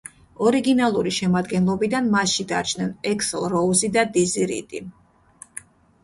ორიგინალური შემადგენლობიდან მასში დარჩნენ ექსლ როუზი და დიზი რიდი.